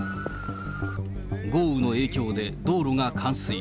豪雨の影響で、道路が冠水。